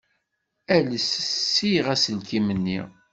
Ales ssiɣ aselkim-nni.